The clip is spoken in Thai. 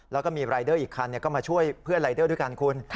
แล้วก็มีรายเดอร์อีกคันก็มาช่วยเพื่อนรายเดอร์ด้วยกันคุณ